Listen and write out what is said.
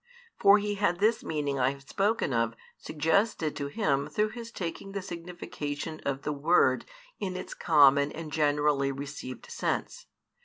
For he had this meaning I have spoken of suggested to him through his taking the signification of the word in its common and generally received sense.